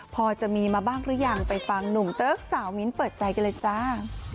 พอจะมีมาบ้างหรือยังไปฟังหนุ่มเติ๊กสาวมิ้นเปิดใจกันเลยจ้า